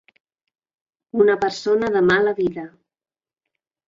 Una persona de mala vida.